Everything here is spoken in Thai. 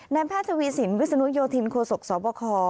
แพทย์ทวีสินวิศนุโยธินโคศกสบค